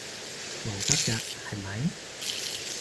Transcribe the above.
仲得㗎係咪？